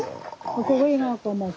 ここいいなと思って。